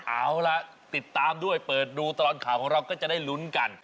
เอาล่ะติดตามด้วยเปิดดูตลอดข่าวของเราก็จะได้ลุ้นกัน